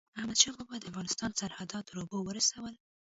احمدشاه بابا د افغانستان سرحدات تر اوبو ورسول.